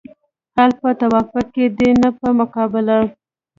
حل په توافق کې دی نه په مقابله.